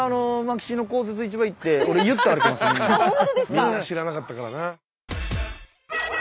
みんな知らなかったからな。